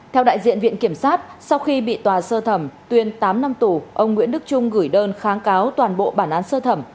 theo đại diện viện kiểm sát sau khi bị tòa sơ thẩm tuyên tám năm tù ông nguyễn đức trung gửi đơn kháng cáo toàn bộ bản án sơ thẩm